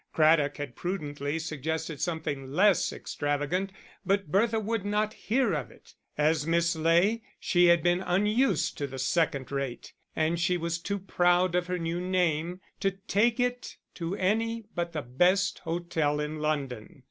Craddock had prudently suggested something less extravagant, but Bertha would not hear of it; as Miss Ley she had been unused to the second rate, and she was too proud of her new name to take it to any but the best hotel in London.